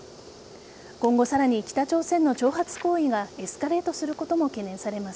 今後、さらに北朝鮮の挑発行為がエスカレートすることも懸念されます。